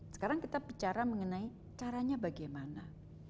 sekarang kita bicara mengenai caranya bagaimana